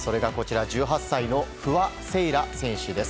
１８歳の不破聖衣来選手です。